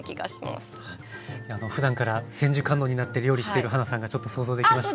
ふだんから千手観音になって料理してるはなさんがちょっと想像できました。